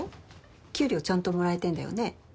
給料ちゃんともらえてんだよね？